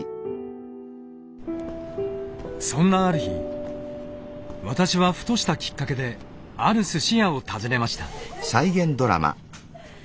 そんなある日私はふとしたきっかけであるすし屋を訪ねました。